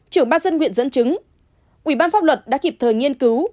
trưởng ban dân nguyện dẫn chứng ủy ban pháp luật đã kịp thời nghiên cứu